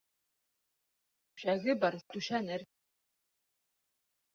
Түшәге бар түшәнер